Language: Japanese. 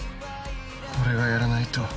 俺がやらないと。